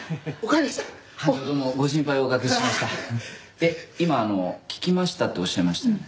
えっ今あの「聞きました？」っておっしゃいましたよね？